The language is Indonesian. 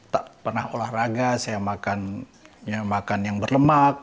tak pernah olahraga saya makan yang berlemak